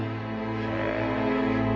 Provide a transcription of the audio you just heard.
へえ。